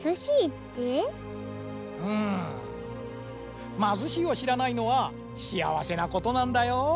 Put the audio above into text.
うん「まずしい」をしらないのはしあわせなことなんだよ。